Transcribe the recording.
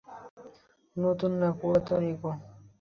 নতুন না, পুরাতন ইগো।